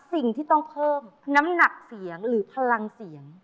สิ่งที่ต้องเพิ่มน้ำหนักเสียงหรือพลังเสียง